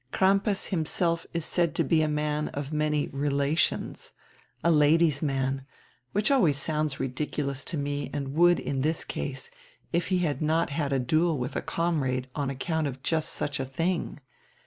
Crampas himself is said to be a man of many 'relations,' a ladies' man, which always sounds ridiculous to me and would in diis case, if he had not had a duel with a comrade on account of just such a tiling.